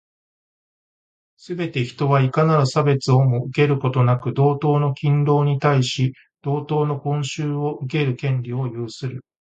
すべて人は、いかなる差別をも受けることなく、同等の勤労に対し、同等の報酬を受ける権利を有する。